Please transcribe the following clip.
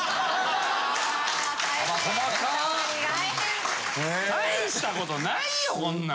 ・細か・・大変・大したことないよこんなん。